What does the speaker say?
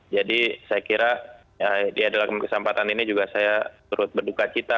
jadi saya kira di adalah kesempatan ini juga saya menurut berduka cita